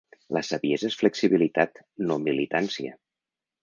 La saviesa és flexibilitat, no militància.